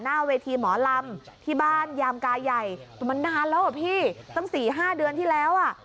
หน้าเวทีหมอลำที่บ้านยามกายใหญ่แต่มันนานแล้วอ่ะพี่ตั้ง๔๕เดือนที่แล้วอ่ะ